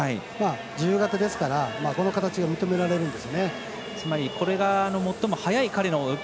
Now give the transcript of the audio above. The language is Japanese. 自由形ですからこの形が認められます。